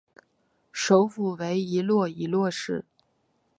首府为伊洛伊洛市。